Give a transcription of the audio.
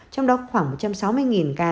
trong đó khoảng một trăm sáu mươi ca